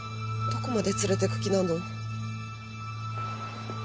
どこまで連れてく気なの？